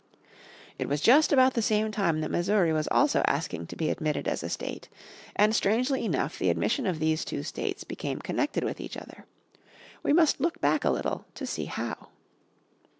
It was just about the same time that Missouri was also asking to be admitted as a state. And strangely enough the admission of these two states became connected with each other. We must look back a little to see how.